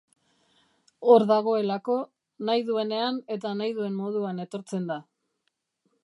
Hor dagoelako, nahi duenean eta nahi duen moduan etortzen da.